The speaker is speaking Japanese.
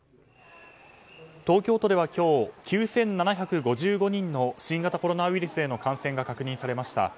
東京都では今日９７５５人の新型コロナウイルスへの感染が確認されました。